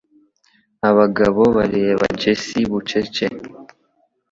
Abagabo bareba Jessie bucece.